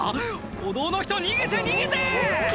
歩道の人逃げて逃げて！